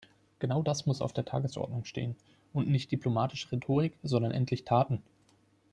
Genau das muss auf der Tagesordnung stehen, und nicht diplomatische Rhetorik, sondern endlich Taten.